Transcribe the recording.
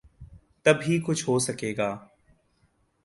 تب ہی کچھ ہو سکے گا۔